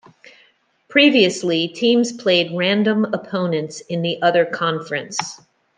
Previously, teams played random opponents in the other conference.